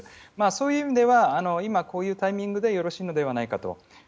そういう意味では今、こういうタイミングでよろしいのではないかと。